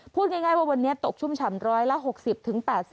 พูดง่ายว่าวันนี้ตกชุ่มฉ่ำร้อยละ๖๐๘๐